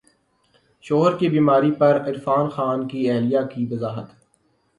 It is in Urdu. شوہر کی بیماری پر عرفان خان کی اہلیہ کی وضاحت